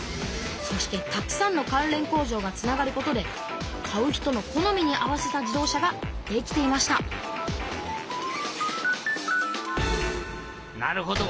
そしてたくさんの関連工場がつながることで買う人の好みに合わせた自動車ができていましたなるほど。